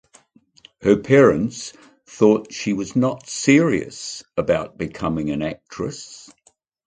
Her parents thought that she was not serious about becoming an actress.